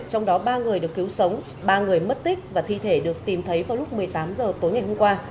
trong đó ba người được cứu sống ba người mất tích và thi thể được tìm thấy vào lúc một mươi tám h tối ngày hôm qua